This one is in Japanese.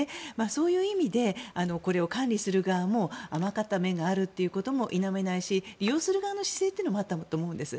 そういう意味でこれを管理する側も甘かった面があるということも否めないし利用する側の姿勢もあると思うんです。